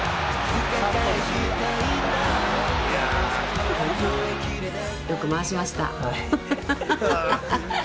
「いやー」よく回しました。